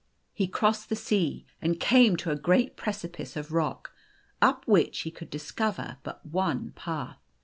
He crossed the sea, and came to a great precipice of rock, up which he could discover but one path.